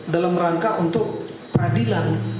dalam rangka untuk peradilan